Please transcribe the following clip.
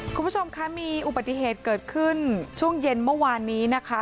คุณผู้ชมคะมีอุบัติเหตุเกิดขึ้นช่วงเย็นเมื่อวานนี้นะคะ